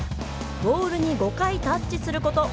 ボウルに５回タッチすること。